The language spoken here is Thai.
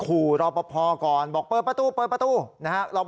ขู่รอปภก่อนบอกเปิดประตูนะครับ